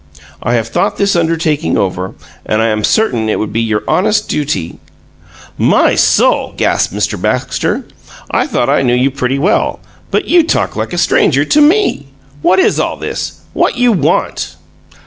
I have thought this undertaking over, and I am certain it would be your honest duty " "My soul!" gasped Mr. Baxter. "I thought I knew you pretty well, but you talk like a stranger to ME! What is all this? What you WANT?"